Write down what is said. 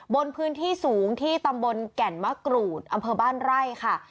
บนพื้นที่สูงที่ตำบลแก่นมะกรูดอำเภอบ้านไร่ค่ะ